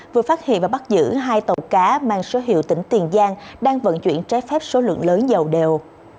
vừa phát hiện và bắt giữ hai tàu cá mang số hiệu tỉnh tiền giang đang vận chuyển trái phép số lượng lớn dầu đều